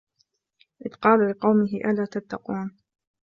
إِذ قالَ لِقَومِهِ أَلا تَتَّقونَ